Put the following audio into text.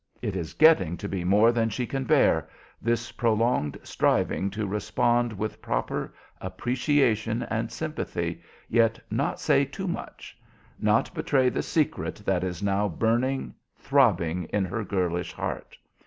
It is getting to be more than she can bear, this prolonged striving to respond with proper appreciation and sympathy, yet not say too much, not betray the secret that is now burning, throbbing in her girlish heart.